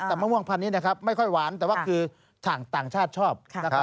แต่มะม่วงพันธุนี้นะครับไม่ค่อยหวานแต่ว่าคือต่างชาติชอบ